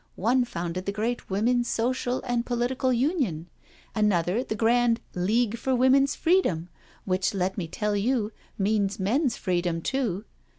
One founded the great Women's Social and Po litical Union, another the grand League for Women's Freedom, which, let me tell you, means men's free dom, too.